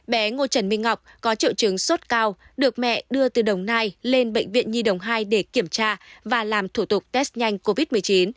bé ngô trần minh ngọc có triệu chứng sốt cao được mẹ đưa từ đồng nai lên bệnh viện nhi đồng hai để kiểm tra và làm thủ tục test nhanh covid một mươi chín